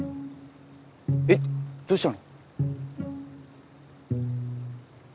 えっどうしたの？